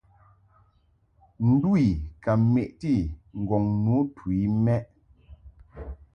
Ndu I ka meʼti ŋgɔŋ nu tu i mɛʼ.